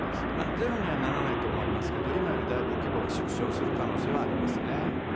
ゼロにはならないと思いますけど、今よりだいぶ規模が縮小する可能性はありますね。